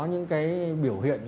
những cái biểu hiện